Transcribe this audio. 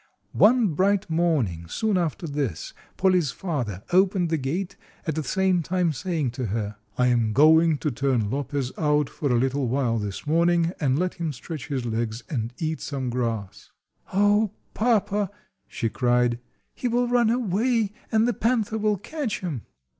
One bright morning, soon after this, Polly's father opened the gate, at the same time saying to her, "I am going to turn Lopez out for a little while this morning and let him stretch his legs and eat some grass." "Oh, papa!" she cried; "he will run away, and the panther will catch him."